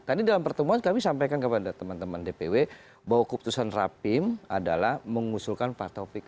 tadi dalam pertemuan kami sampaikan kepada teman teman dpw bahwa keputusan rapim adalah mengusulkan pak taufik